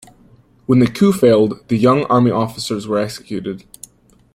When the coup failed, the young army officers were executed.